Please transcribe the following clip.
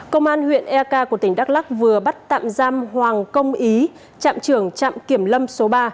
công an huyện eak của tỉnh đắk lắc vừa bắt tạm giam hoàng công ý trạm trưởng trạm kiểm lâm số ba